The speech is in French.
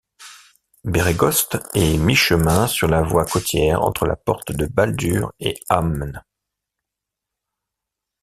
Bérégost est mi-chemin sur la voie côtière entre la Porte de Baldur et Amn.